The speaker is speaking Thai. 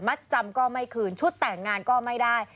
จำก็ไม่คืนชุดแต่งงานก็ไม่ได้